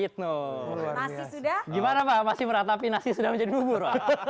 ini minggu lalu udah nasi menjadi bubur